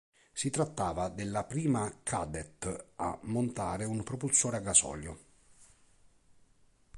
Si trattava della prima Kadett a montare un propulsore a gasolio.